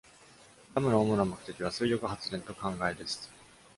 ダムの主な目的は、水力発電と灌漑です。